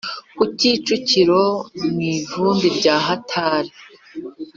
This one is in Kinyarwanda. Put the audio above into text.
ku kicukiro mu ivumbi rya hatari